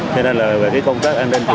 thế nên là công tác an ninh